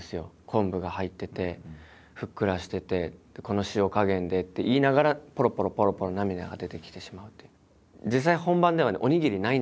昆布が入っててふっくらしててこの塩加減でって言いながらぽろぽろぽろぽろ涙が出てきてしまうという。